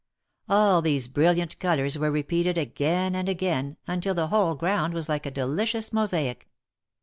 All these brilliant colors were repeated again and again, until the whole ground was like a delicious mosaic.